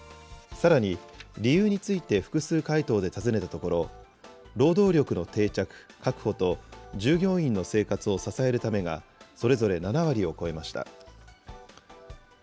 さらに、理由について複数回答で尋ねたところ、労働力の定着・確保と、従業員の生活を支えるためが、それぞれ７割を超えました。